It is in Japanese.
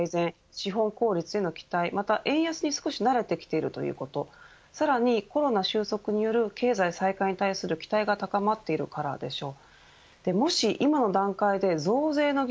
資本効率への期待、また円安に少し慣れてきているということさらにコロナ収束による経済再開に対する期待が高まっているからでしょう。